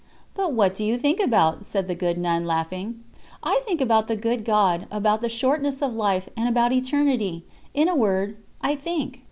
"But what do you think about?" said the good nun, laughing. "I think about the Good God, about the shortness of life, and about eternity: in a word, I _think."